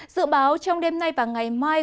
dự báo trong đêm nay và ngày mai